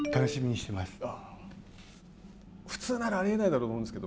普通ならありえないと思うんですけど